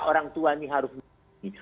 orang tua ini harus mengerti